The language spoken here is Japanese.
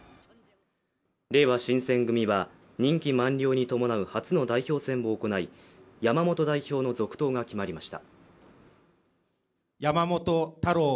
れいわ新選組は任期満了に伴う初の代表選を行い山本代表の続投が決まりました。